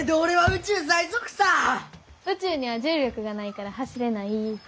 宇宙には重力がないから走れない。